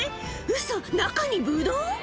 うそ、中にブドウ？